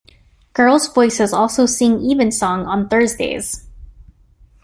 Girls' voices also sing evensong on Thursdays.